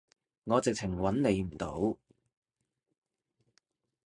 我直情揾你唔到